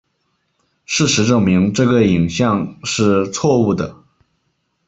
事实证明这个影像是错误的。